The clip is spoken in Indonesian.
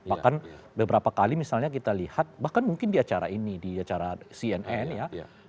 bahkan beberapa kali misalnya kita lihat bahkan mungkin di acara ini di acara cnn ya